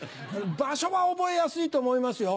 場所は覚えやすいと思いますよ。